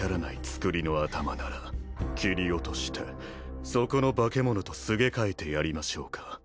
つくりの頭なら切り落としてそこの化け物とすげ替えてやりましょうか？